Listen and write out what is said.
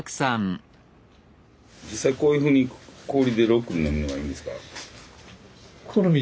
実際こういうふうに氷でロックで飲むのがいいんですか？